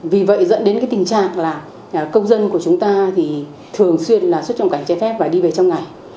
vì vậy dẫn đến cái tình trạng là công dân của chúng ta thì thường xuyên là xuất nhập cảnh trái phép và đi về trong ngày